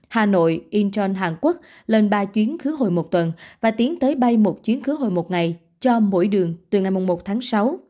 hà nội indon hàn quốc lên ba chuyến khứ hồi một tuần và tiến tới bay một chuyến khứa hồi một ngày cho mỗi đường từ ngày một tháng sáu